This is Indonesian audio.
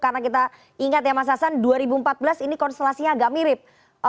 karena kita ingat ya mas hasan dua ribu empat belas ini konstelasinya agak mirip